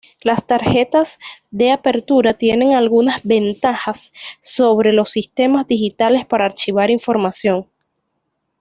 Las tarjetas de apertura tienen algunas ventajas sobre los sistemas digitales para archivar información.